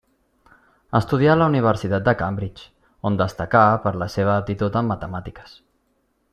Estudià a la universitat de Cambridge, on destacà per la seva aptitud en matemàtiques.